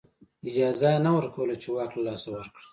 اجازه یې نه ورکوله چې واک له لاسه ورکړي